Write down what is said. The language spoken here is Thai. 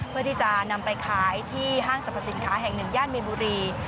เพื่อที่จะนำไปขายที่ห้างสรรพสินค้าแห่งหนึ่งย่านมีนบุรี